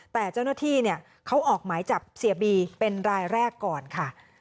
แต่เจ้าหน้าที่เขาออกหมายจับเสียบีเป็นรายแรกก่อนค่ะ